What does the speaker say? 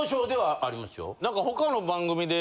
他の番組で。